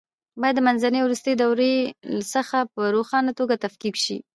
باید د منځنۍ او وروستۍ دورې څخه په روښانه توګه تفکیک شي.